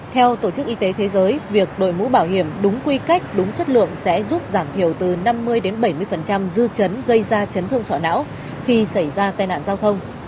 theo tổ chức y tế thế giới việc đội mũ bảo hiểm đúng quy cách đúng chất lượng sẽ giúp giảm thiểu từ năm mươi đến bảy mươi dư chấn gây ra chấn thương sọ não khi xảy ra tai nạn giao thông